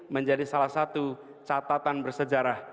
menjadi salah satu catatan bersejarah